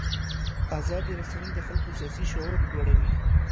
ازادې رسنۍ د خلکو سیاسي شعور لوړوي.